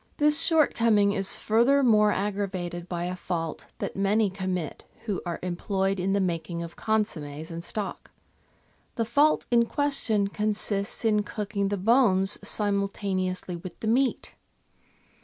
This shortcoming is furthermore aggravated by a fault that many commit who are employed in the making of consommes and stock. The fault in question consists in cooking the bones simultaneously with the meat.